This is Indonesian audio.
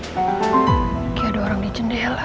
kayak ada orang di jendela